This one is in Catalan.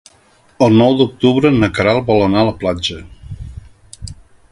El nou d'octubre na Queralt vol anar a la platja.